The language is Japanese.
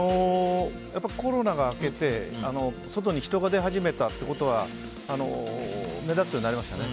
やっぱりコロナが明けて外に人が出始めたということは目立つようになりましたね。